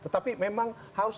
tetapi memang harus